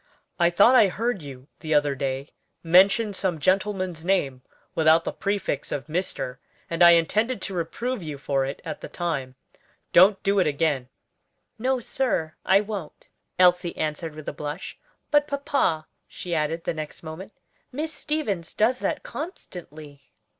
I thought I heard you the other day mention some gentleman's name without the prefix of Mr., and I intended to reprove you for it at the time. Don't do it again." "No, sir, I won't," Elsie answered with a blush. "But, papa," she added the next moment, "Miss Stevens does that constantly."